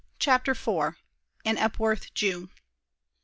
CHAPTER IV. AN EPWORTH JEW.